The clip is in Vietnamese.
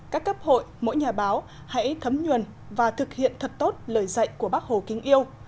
các cấp hội mỗi nhà báo hãy thấm nhuần và thực hiện thật tốt lời dạy của bác hồ kính yêu